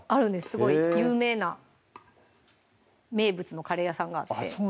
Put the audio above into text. すごい有名な名物のカレー屋さんがあってそうなんですね